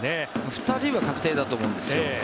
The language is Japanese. ２人は確定だと思うんですよ。